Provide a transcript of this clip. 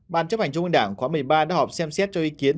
ban chấp hành trung ương đảng khóa một mươi ba đã họp xem xét cho ý kiến